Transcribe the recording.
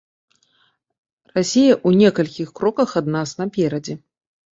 Расія ў некалькіх кроках ад нас, наперадзе.